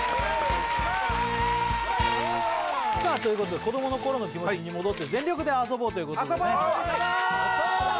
さあということで子どもの頃の気持ちに戻って全力で遊ぼうということでね遊ぼう！